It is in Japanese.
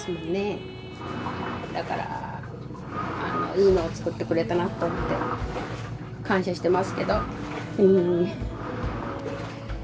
だからいいのを作ってくれたなと思って感謝してますけどうん。